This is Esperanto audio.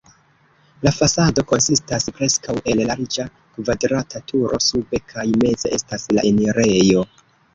La fasado konsistas preskaŭ el larĝa kvadrata turo, sube kaj meze estas la enirejo.